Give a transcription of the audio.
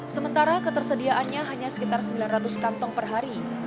sementara ketersediaannya hanya sekitar sembilan ratus kantong per hari